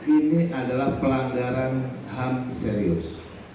ini adalah pelanggaran ham serius